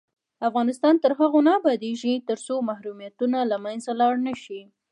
افغانستان تر هغو نه ابادیږي، ترڅو محرومیتونه له منځه لاړ نشي.